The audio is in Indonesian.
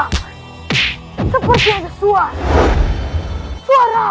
tidak ada seorang